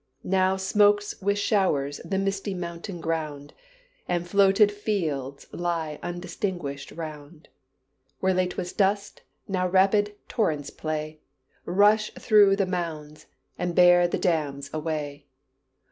Now smokes with showers the misty mountain ground, And floated fields lie undistinguished 'round. Where late was dust, now rapid torrents play Rush through the mounds, and bear the dams away.